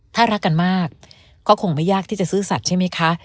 ถ้ารักกันมากก็คงไม่ยากที่จะซื่อสัตว์ใช่ไหมคะ